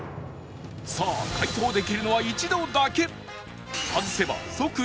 さあ解答できるは一度だけ